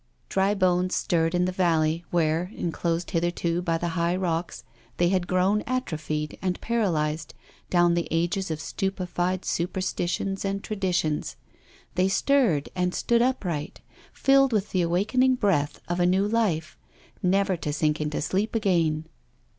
Dry bones stirred in the valley, where, enclosed hitherto by the high rocks, they had grown atrophied and paralysed down the ages of stupefying superstitions and traditions. They stirred and stood upright, filled with the awaken ing breath of a new life, never to sink into sleep again.